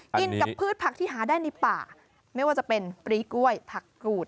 กินกับพืชผักที่หาได้ในป่าไม่ว่าจะเป็นปรีกล้วยผักกรูด